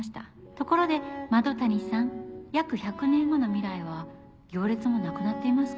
ところでマド谷さん約１００年後の未来は行列もなくなっていますか？